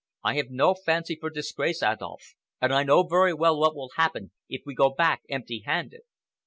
I have no fancy for disgrace, Adolf, and I know very well what will happen if we go back empty handed."